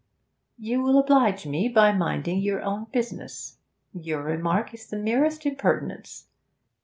'You will oblige me by minding your own business. Your remark is the merest impertinence.